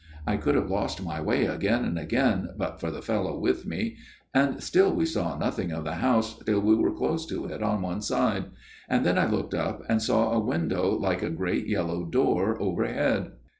I could have lost my way again and again but for the fellow with me ; and still we saw nothing of the house till we were close to it on one side ; and then I looked up and saw a window like a great yellow door overhead.